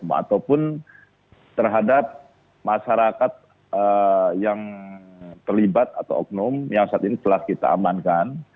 ataupun terhadap masyarakat yang terlibat atau oknum yang saat ini telah kita amankan